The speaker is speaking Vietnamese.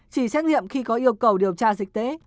chỉ xét nghiệm khi có yêu cầu điều tra dịch tễ